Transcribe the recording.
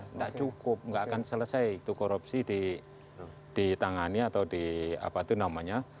enggak cukup enggak akan selesai itu korupsi di tangannya atau di apa itu namanya